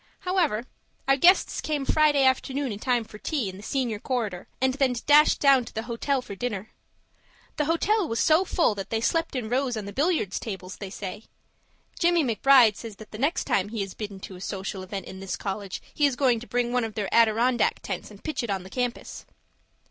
However our guests came Friday afternoon in time for tea in the senior corridor, and then dashed down to the hotel for dinner. The hotel was so full that they slept in rows on the billiard tables, they say. Jimmie McBride says that the next time he is bidden to a social event in this college, he is going to bring one of their Adirondack tents and pitch it on the campus.